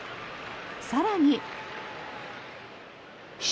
更に。